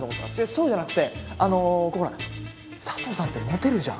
そうじゃなくてあのこうほらサトウさんってモテるじゃん。